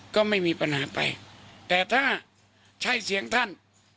ก็ไม่มีปัญหาไปแต่ถ้าใช่เสียงท่าน